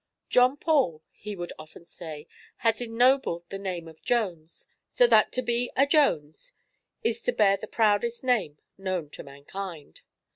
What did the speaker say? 'John Paul,'" he would often say, 'has ennobled the name of Jones, so that to be a Jones is to bear the proudest name known to mankind.'